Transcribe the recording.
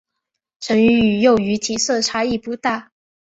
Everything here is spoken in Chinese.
成鱼与幼鱼体色差异不大。